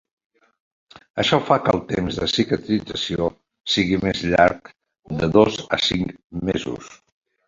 Això fa que el temps de cicatrització sigui més llarg, de dos a cinc mesos.